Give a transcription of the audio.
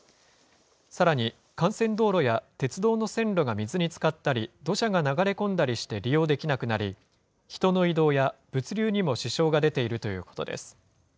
さらに幹線道路や鉄道の線路が水につかったり、土砂が流れ込んだりして利用できなくなり、人の移動や物流にも支障が出ているということです。